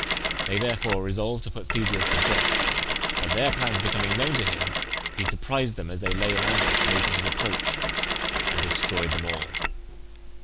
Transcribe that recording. They therefore resolved to put Theseus to death; but their plans becoming known to him, he surprised them as they lay in ambush awaiting his approach, and destroyed them all.